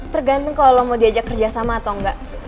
tergantung kalo lo mau diajak kerjasama atau enggak